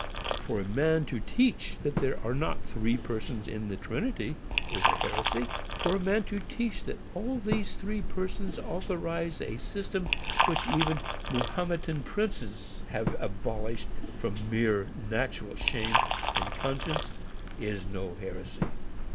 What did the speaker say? For a man to teach that there are not three persons in the Trinity is heresy. For a man to teach that all these three Persons authorize a system which even Mahometan princes have abolished from mere natural shame and conscience, is no heresy!